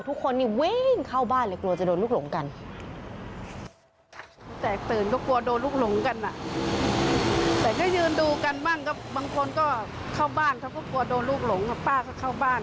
ป้าเข้าบ้านก็กลัวโดนลูกลงพาเด็กร์เข้าบ้านหมดเลย